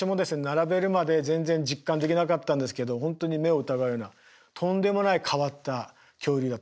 並べるまで全然実感できなかったんですけど本当に目を疑うようなとんでもない変わった恐竜だと。